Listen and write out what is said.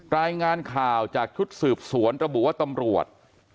รายงานข่าวจากชุดสืบสวนระบุว่าตำรวจ